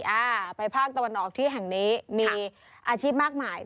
อ่าไปภาคตะวันออกที่แห่งนี้มีอาชีพมากมาย